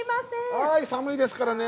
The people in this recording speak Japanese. はい寒いですからね。